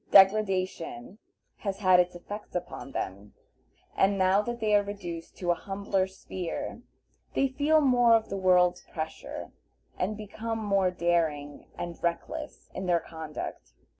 Degradation has had its effect upon them, and now that they are reduced to a humbler sphere they feel more of the world's pressure, and become more daring and reckless in their conduct.